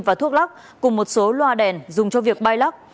và thuốc lắc cùng một số loa đèn dùng cho việc bay lắc